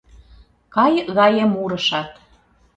Кайык гае мурышат